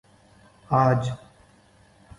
آج